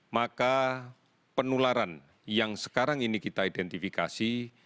maka penularan yang sekarang ini kita identifikasi